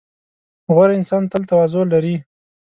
• غوره انسان تل تواضع لري.